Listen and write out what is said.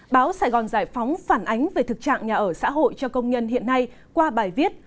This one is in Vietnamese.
báo sài gòn giải phóng phản ánh về thực trạng nhà ở xã hội cho công nhân hiện nay qua bài viết